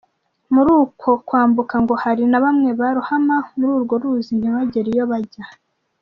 Muri uko kwambuka ngo hari na bamwe barohama muri urwo ruzi ntibagere iyo bajyaga.